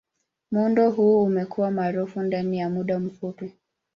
Muundo huu umekuwa maarufu ndani ya muda mfupi.